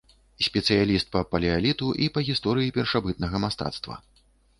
Спецыяліст па палеаліту і па гісторыі першабытнага мастацтва.